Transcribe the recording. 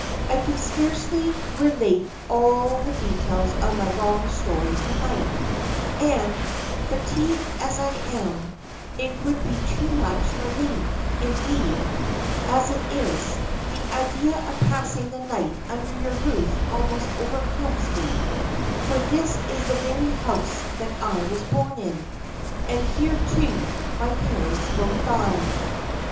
I could scarcely relate all the details of my long story to night, and, fatigued as I am, it would be too much for me; indeed, as it is, the idea of passing the night under your roof almost overcomes me; for this is the very house that I was born in, and here, too, my parents both died."